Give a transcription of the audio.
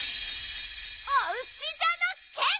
おうしざのけん！